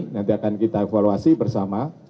nanti akan kita evaluasi bersama